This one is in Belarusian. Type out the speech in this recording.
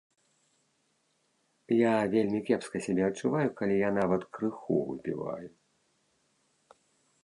Я вельмі кепска сябе адчуваю, калі я нават крыху выпіваю.